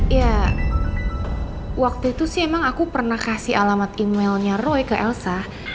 ya waktu itu sih emang aku pernah kasih alamat emailnya roy ke elsa